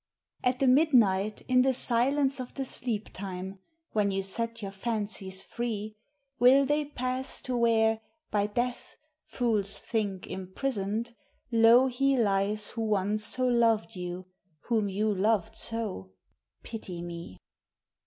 At the midnight in the silence of the sleep time, When you set your fancies free, Will they pass to where — by death, fools think, imprisoned — Low he lies who once so loved you, whom you loved so, —Pity me?